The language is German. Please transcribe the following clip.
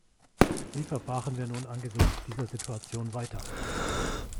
Wie verfahren wir nun angesichts dieser Situation weiter?